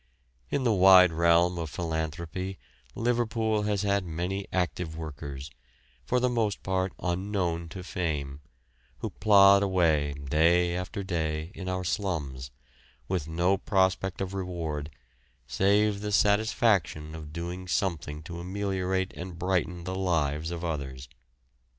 In the wide realm of philanthropy Liverpool has had many active workers, for the most part unknown to fame, who plod away day after day in our slums, with no prospect of reward, save the satisfaction of doing something to ameliorate and brighten the lives of others.